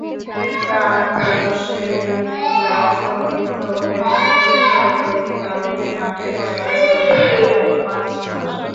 প্রাণতোষেরই ক্লাব-সতীর্থ হেমন্ত চোটের কারণেই মাঠের বাইরে ছিলেন প্রায় পাঁচ মাস।